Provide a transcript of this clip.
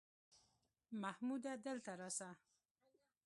محموده دلته راسه!